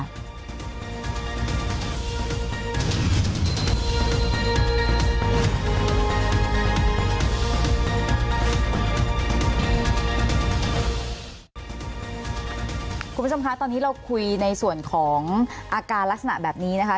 คุณผู้ชมคะตอนนี้เราคุยในส่วนของอาการลักษณะแบบนี้นะคะ